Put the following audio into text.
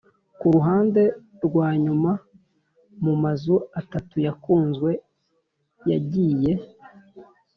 kuruhande-rwanyuma, mumazu atatu yakunzwe yagiye.